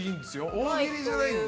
大喜利じゃないんで。